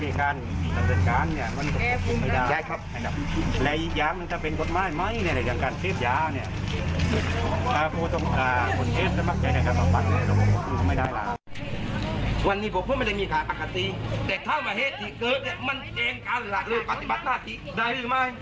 โอเคทุกตรงนี้พบเวลาไทยตังค์กรรมศาล